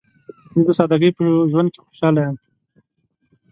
زه د سادګۍ په ژوند کې خوشحاله یم.